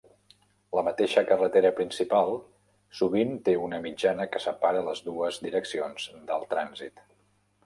La mateixa carretera principal sovint té una mitjana que separa les dues direccions del trànsit.